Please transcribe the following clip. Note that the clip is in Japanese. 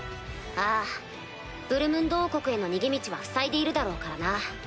ああブルムンド王国への逃げ道はふさいでいるだろうからな。